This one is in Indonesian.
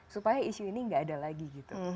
supaya isu ini nggak ada lagi gitu